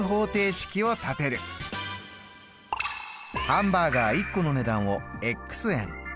ハンバーガー１個の値段を円。